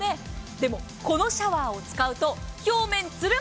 でもこのシャワーを使うと表面ツルン。